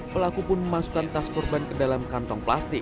pelaku pun memasukkan tas korban ke dalam kantong plastik